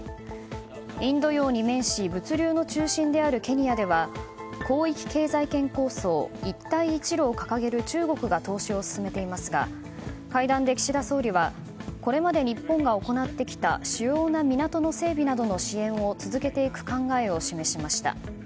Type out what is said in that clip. インド洋に面し物流の中心であるケニアでは広域経済圏構想一帯一路を掲げる中国が投資を進めていますが会談で岸田総理はこれまで日本が行ってきた主要な港の整備などの支援を続けていく考えを示しました。